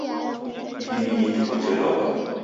Idime ni ituku jhe lomba.